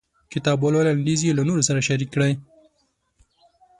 کتاب ولولئ او لنډيز یې له نورو سره شريک کړئ.